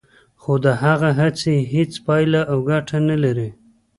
خو د هغه هڅې هیڅ پایله او ګټه نه لري